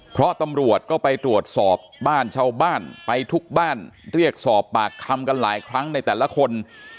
เพราะตำรวจก็ไปตรวจสอบบ้านชาวบ้านไปทุกบ้านเรียกสอบปากคำกันหลายครั้งในแต่ละคน